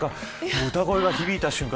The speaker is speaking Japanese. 歌声が響いだ瞬間